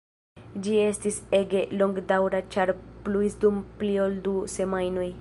Ĝi estis ege longdaŭra ĉar pluis dum pli ol du semajnoj.